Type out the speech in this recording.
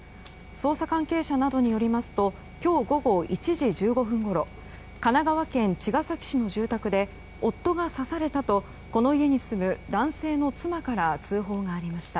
捜査関係者などによりますと今日午後１時１５分ごろ神奈川県茅ヶ崎市の住宅で夫が刺されたとこの家に住む男性の妻から通報がありました。